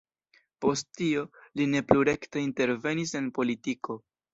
Post tio, li ne plu rekte intervenis en politiko.